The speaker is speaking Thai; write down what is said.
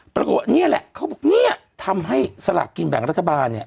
ปรากฏว่านี่แหละเขาบอกเนี่ยทำให้สลากกินแบ่งรัฐบาลเนี่ย